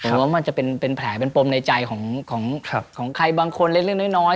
แต่ว่ามันจะเป็นแผลเป็นปมในใจของใครบางคนเล็กน้อย